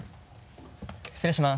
失礼します。